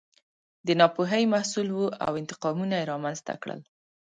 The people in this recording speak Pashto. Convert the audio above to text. د ناپوهۍ محصول و او انتقامونه یې رامنځته کړل.